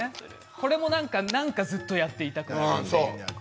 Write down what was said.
これもなんかずっとやってみたくなる。